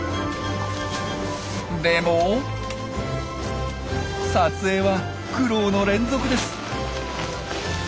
でも撮影は苦労の連続です。